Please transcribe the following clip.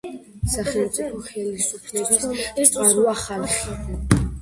სახელმწიფო ხელისუფლების წყაროა ხალხი.